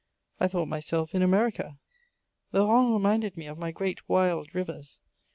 I thought myself in America: the Rhone reminded me of my great wild rivers.